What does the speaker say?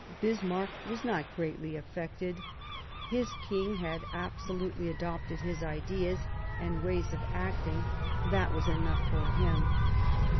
Bismarck was not greatly affected ; his King had absolutely adopted his ideas and waj^s of acting ; that was enough for him.